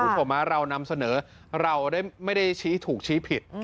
คุณผู้ชมเรานำเสนอเราไม่ได้ชี้ถูกชี้ผิด